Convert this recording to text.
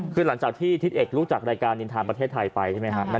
คือหลังจากที่ทิศเอกรู้จักรายการนินทาประเทศไทยไปใช่ไหมครับ